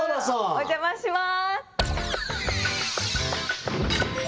お邪魔します